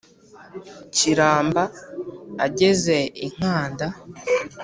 kiramba ageze i nkanda,